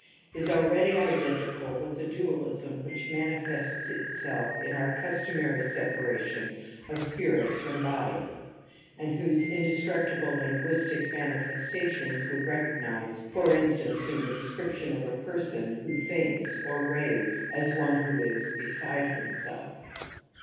is already identical with the ualism which manifests itself in our customary eparation of spirit from body, and whose inde tructible linguistic manifestations we recognize, or instance, in the description of a person who '• Principles of Sociolojy, Vol, L 156 ' TOTEM AND TABOO faints or raves as one who is ' beside himself.'